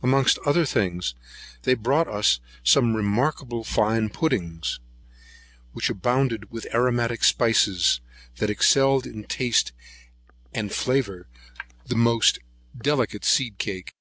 Amongst other things, they brought us some most remarkable fine puddings, which abounded with aromatic spiceries, that excelled in taste and flavour the most delicate seed cake.